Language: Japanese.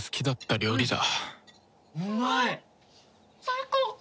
最高！